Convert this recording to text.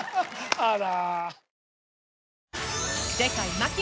「あら」。